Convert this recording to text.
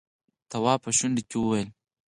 تواب په شونډو کې وويل: